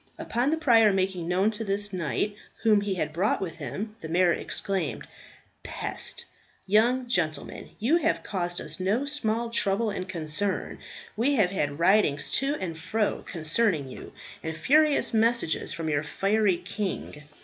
Upon the prior making known to this knight whom he had brought with him, the mayor exclaimed, "Pest! young gentleman; you have caused us no small trouble and concern. We have had ridings to and fro concerning you, and furious messages from your fiery king.